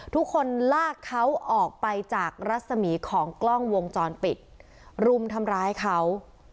ทุกคนลากเขาออกไปจากรัศมีของกล้องวงจรปิดรุมทำร้ายเขา